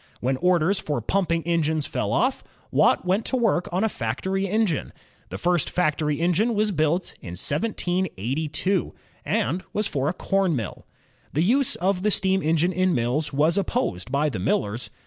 When orders for pumping engines fell off, Watt went to work on a factory engine. The first factory engine was built in 1782, and was for a com mill. The use of the steam engine in mills was opposed by the millers.